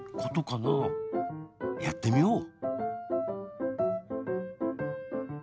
やってみよう。